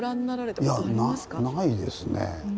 いやないですね。